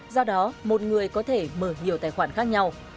do đó một người có thể mở nhiều tài khoản khác nhau